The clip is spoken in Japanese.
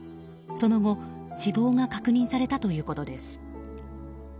その後死亡が確認されたということです。